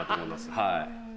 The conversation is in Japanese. はい。